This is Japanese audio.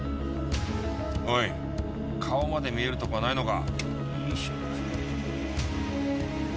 おいっ顔まで見えるとこないのか？